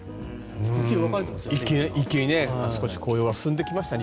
一気に紅葉が進んできましたね。